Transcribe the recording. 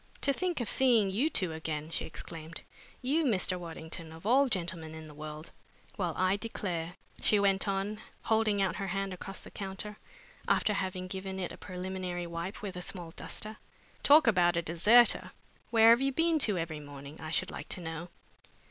"To think of seeing you two again!" she exclaimed. "You, Mr. Waddington, of all gentlemen in the world! Well, I declare!" she went on, holding out her hand across the counter, after having given it a preliminary wipe with a small duster. "Talk about a deserter! Where have you been to every morning, I should like to know?"